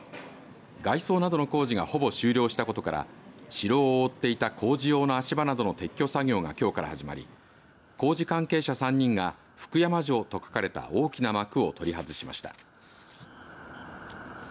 外装などの工事がほぼ終了したことから城を覆っていた工事用の足場などの撤去作業がきょうから始まり工事関係者３人が福山城と書かれた大きな幕を取り外しました。